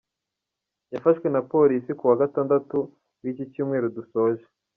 Yafashwe na Polisi ku wa Gatandatu w’iki cyumweru dusoje.